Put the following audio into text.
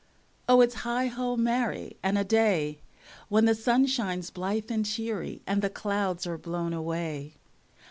0 , its heigho, marry, and a day! When the sun shines blithe and cheery, and the clouds are blown away.